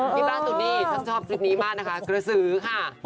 นี่แป๊บสุดนี้ฉันชอบคลิปนี้มากนะคะกระซื้อค่ะ